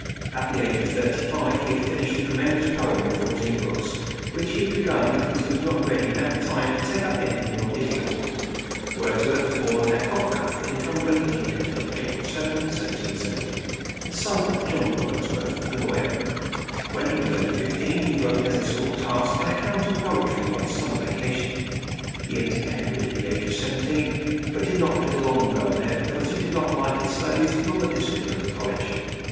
At the age of thirty five he had finished a tremendous poem in fourteen books, which he had begun because he was not ready at the time to take up anything more difficult! Wordsworth was born at Cockermouth, in Cumberland, England, on April 7, 1770, the son of John Wordsworth, a lawyer. When he was only fifteen he wrote as a school task an account in poetry of his summer vacation. He entered Cambridge at the age of seventeen; but did not get along well there because he did not like his studies nor the discipline of the college.